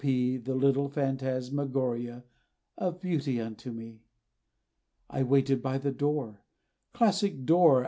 P., That lithe phantasmagoria, Of beauty unto me! I waited by the door, Classic door!